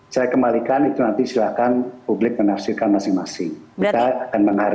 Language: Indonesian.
saya kembalikan lagi itu kan itu kenapa sekjen anda yang bilang ini anak muda berpengalaman di pemerintahan